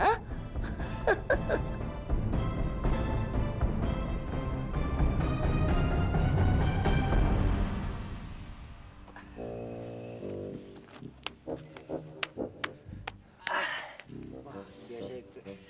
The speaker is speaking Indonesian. wah biasa itu